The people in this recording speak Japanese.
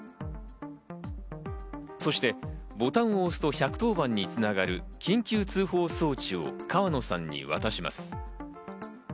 そしてボタンを押すと１１０番につながる緊急通報装置を川野さんに渡します。